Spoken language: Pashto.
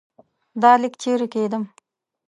دا لیک چيري کښېږدم ؟